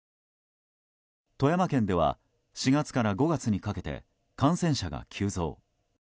富山県では４月から５月にかけて感染者が急増。